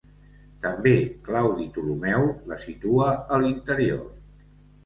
També Claudi Ptolemeu la situa a l'interior.